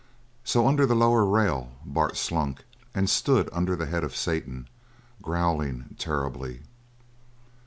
So under the lower rail Bart slunk and stood under the head of Satan, growling terribly.